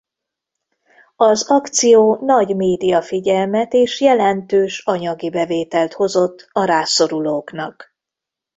Az akció nagy média figyelmet és jelentős anyagi bevételt hozott a rászorulóknak.